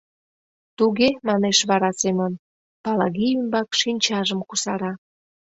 — Туге, — манеш вара Семон, Палаги ӱмбак шинчажым кусара.